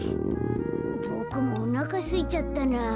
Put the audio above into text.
ボクもおなかすいちゃったなぁ。